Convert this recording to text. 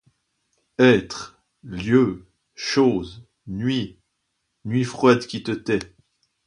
Êtres ! lieux ! choses ! nuit ! nuit froide qui te tais !